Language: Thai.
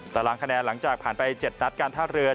ตารางคะแนนหลังจากผ่านไป๗นัดการท่าเรือ